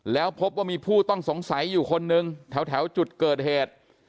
แล้วพบว่ามีผู้ต้องสงสัยอยู่คนนึงแถวจุดเกิดเหตุ